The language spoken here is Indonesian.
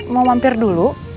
mau mampir dulu